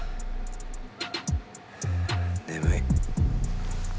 眠い。